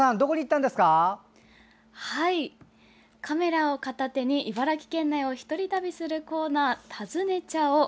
カメラを片手に茨城県内を１人旅するコーナー「たずねちゃお」。